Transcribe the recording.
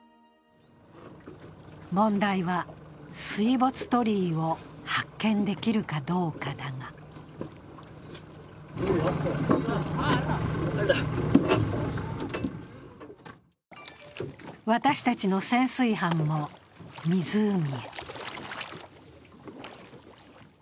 問題は、水没鳥居を発見できるかどうかだが私たちの潜水班も湖へ。